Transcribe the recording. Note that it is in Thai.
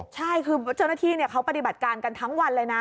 ใช่คือเจ้าหน้าที่เขาปฏิบัติการกันทั้งวันเลยนะ